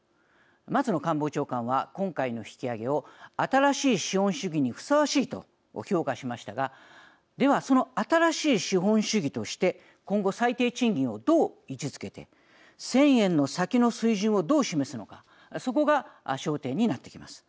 松野官房長官は今回の引き上げを新しい資本主義にふさわしいと評価しましたがでは、その新しい資本主義として今後、最低賃金をどう位置づけて１０００円の先の水準をどう示すのかそこが焦点となっていきます。